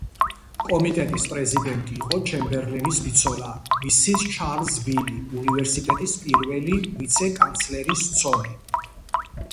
კომიტეტის პრეზიდენტი იყო ჩემბერლენის ბიცოლა, მისის ჩარლზ ბილი, უნივერსიტეტის პირველი ვიცე-კანცლერის ცოლი.